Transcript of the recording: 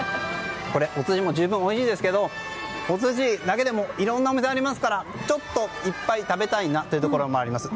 これ、普通でも十分おいしいですけどお寿司だけでもいろんなお店ありますからちょっといっぱい食べたいなというところもあります。